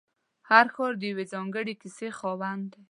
هر ښار د یوې ځانګړې کیسې خاوند دی.